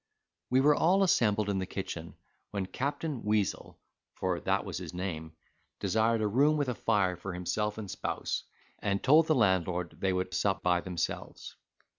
We were all assembled in the kitchen, when Captain Weazel (for that was his name) desired a room with a fire for himself and spouse, and told the landlord they would up by themselves.